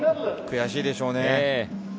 悔しいでしょうね。